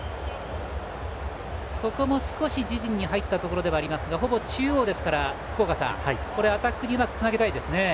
ここも少し自陣に入ったところですがほぼ中央ですから福岡さん、アタックにうまくつなげたいですね。